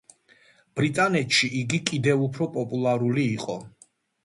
ბრიტანეთში იგი კიდევ უფრო პოპულარული იყო.